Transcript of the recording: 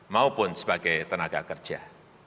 maupun sebagai tenaga kerja